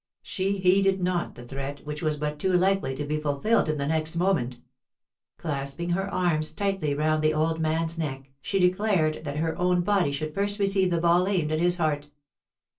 She heeded not the threat, which was but too likely to be fulfilled the next moment. Clasping her arms tightly round the old man's neck, she declared that her own body should first receive the ball aimed at his heart!